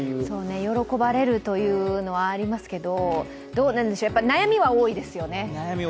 喜ばれるというのはありますけど、悩みは多いですよね。